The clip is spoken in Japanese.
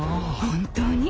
本当に。